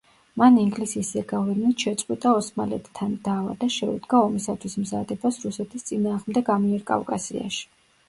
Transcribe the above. მან ინგლისის ზეგავლენით შეწყვიტა ოსმალეთთან დავა და შეუდგა ომისათვის მზადებას რუსეთის წინააღმდეგ ამიერკავკასიაში.